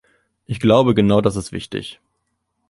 Ich glaube, genau das ist wichtig.